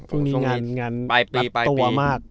พรุ่งนี้งานปัดตัวมาก